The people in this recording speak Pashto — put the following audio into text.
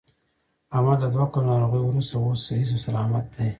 احمد له دوه کلونو ناروغۍ ورسته اوس صحیح صلامت دی.